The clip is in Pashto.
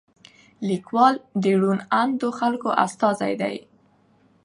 لیکوال د روڼ اندو خلکو استازی دی.